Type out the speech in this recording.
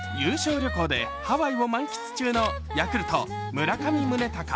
旅行でハワイを満喫中のヤクルト・村上宗隆。